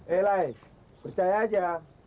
eh lai percaya aja